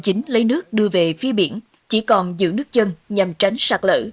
chính lấy nước đưa về phía biển chỉ còn giữ nước chân nhằm tránh sạt lỡ